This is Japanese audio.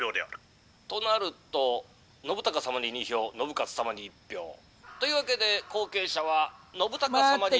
「となると信孝様に２票信雄様に１票。というわけで後継者は信孝様に」。